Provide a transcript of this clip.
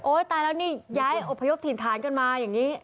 ตายแล้วนี่ย้ายอบพยพถิ่นฐานกันมาอย่างนี้